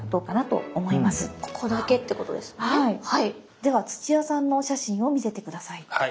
では土屋さんのお写真を見せて下さい。